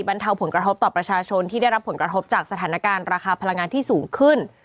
เทาผลกระทบต่อประชาชนที่ได้รับผลกระทบจากสถานการณ์ราคาพลังงานที่สูงขึ้น